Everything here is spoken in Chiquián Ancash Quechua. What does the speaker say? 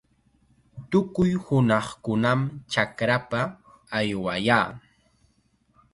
Tukuy hunaqkunam chakrapa aywayaa.